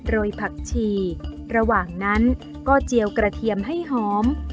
ผักชีระหว่างนั้นก็เจียวกระเทียมให้หอม